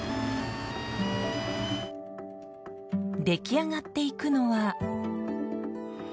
出来上がっていくのは。